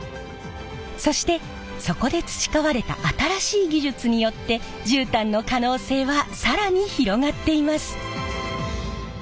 そしてそこで培われた新しい技術によって絨毯の可能性は更に広がっています。